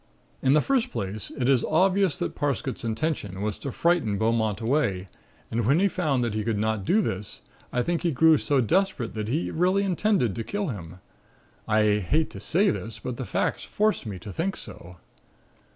"In the first place, it is obvious that Parsket's intention was to frighten Beaumont away and when he found that he could not do this, I think he grew so desperate that he really intended to kill him. I hate to say this, but the facts force me to think so.